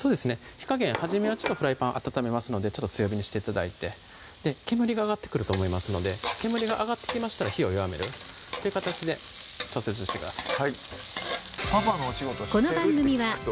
火加減初めはフライパン温めますのでちょっと強火にして頂いて煙が上がってくると思いますので煙が上がってきましたら火を弱めるっていう形で調節してください